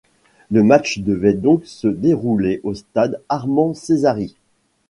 Le match devait donc se dérouler au stade Armand-Cesari.